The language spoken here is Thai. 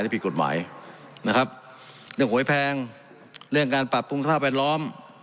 ผิดกฎหมายนะครับเรื่องหวยแพงเรื่องการปรับปรุงสภาพแวดล้อม